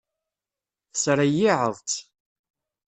Tesreyyiεeḍ-tt.